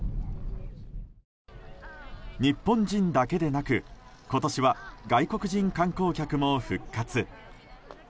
日本人だけでなく今年は、外国人観光客も復活。